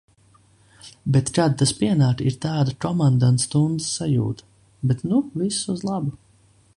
Bet, kad tas pienāk, ir tāda komandantstundas sajūta. Bet nu viss uz labu.